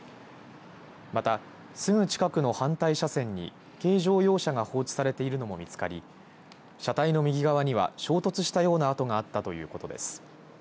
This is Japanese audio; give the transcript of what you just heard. また、すぐ近くの反対車線に軽乗用車が放置されているのも見つかり車体の右側には衝突したような跡があったということです。